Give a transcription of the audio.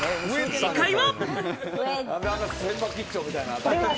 正解は。